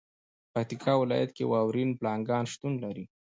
پکتیکا ولایت کې واورین پړانګان شتون لري.